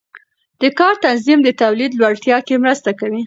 د کار تنظیم د تولید لوړتیا کې مرسته کوي.